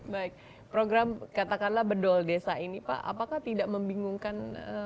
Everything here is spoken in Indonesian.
baik program katakanlah bedol desa ini pak apakah tidak membingungkan